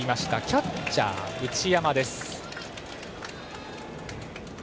キャッチャー、内山です。